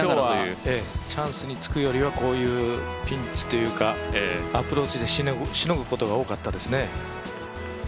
今日はチャンスにつくよりは、ピンチというかアプローチでしのぐことが多かったですね。